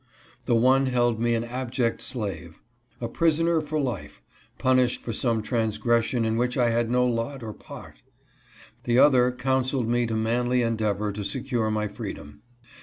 The one held me an abject slave— a prisoner for life, punished for some transgression in which I had no lot or part ; the other counseled me to manly endeavor to secure my freedom.